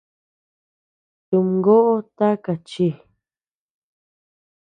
Tumgoʼo taka chi.